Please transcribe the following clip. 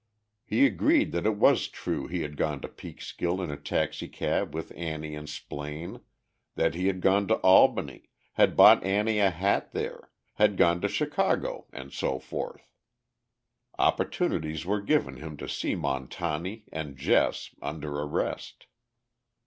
He agreed that it was true he had gone to Peekskill in a taxicab with Annie and Splaine, that he had gone to Albany, had bought Annie a hat there, had gone to Chicago, and so forth. Opportunities were given him to see Montani and Jess, under arrest.